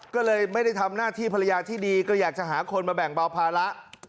ก็เลยไม่ได้ทำหน้าที่ภรรยาที่ดีก็อยากจะหาคนมาแบ่งเบาภาระ